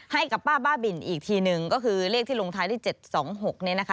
ให้กับป้าบ้าบินอีกทีหนึ่งก็คือเลขที่ลงท้ายด้วย๗๒๖เนี่ยนะคะ